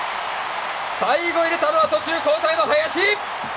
最後入れたのは途中交代の林！